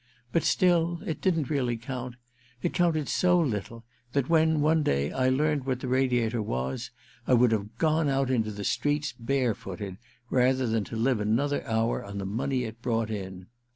But still it didn't really count — it counted so little that when, one day, I learned what the Radiator was, I would have gone out into the streets barefooted rather than live another hour on the money it brought in.